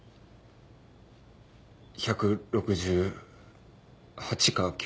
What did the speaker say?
１６８か１６９。